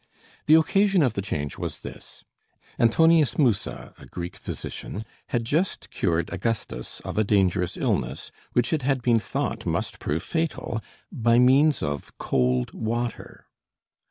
The occasion of the change was this: Antonius Musa, a Greek physician, had just cured Augustus of a dangerous illness, which it had been thought must prove fatal, by means of cold water.